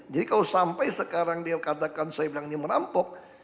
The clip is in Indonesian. jadi kalau sampai sekarang dikatakan saya bilang ini merampok